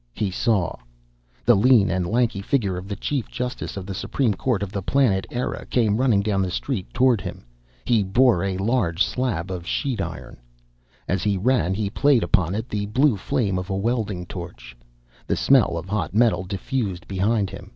He saw. The lean and lanky figure of the chief justice of the supreme court of the Planet Eire came running down the street toward him. He bore a large slab of sheet iron. As he ran, he played upon it the blue flame of a welding torch. The smell of hot metal diffused behind him.